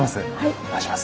お願いします。